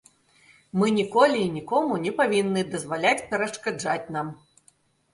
Мы ніколі і нікому не павінны дазваляць перашкаджаць нам.